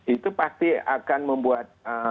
itu pasti akan membuat